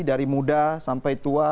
dari muda sampai tua